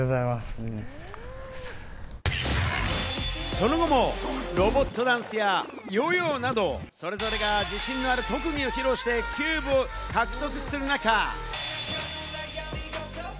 その後も、ロボットダンスやヨーヨーなど、それぞれが自信がある特技を披露してキューブを獲得する中。